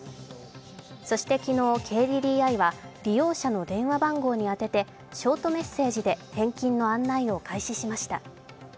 そして昨日、ＫＤＤＩは利用者の電話番号に宛ててショートメッセージで返金の案内を開始しました。